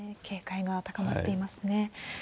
警戒が高まっていますね。